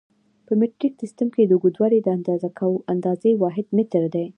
په مټریک سیسټم کې د اوږدوالي د اندازې واحد متر دی.